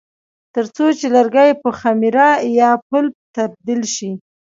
ترڅو چې لرګي پر خمیره یا پلپ تبدیل شي.